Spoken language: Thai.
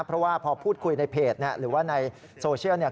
เพราะว่าพอพูดคุยในเพจหรือว่าในโซเชียลเนี่ย